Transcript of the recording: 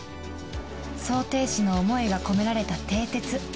装蹄師の思いが込められた蹄鉄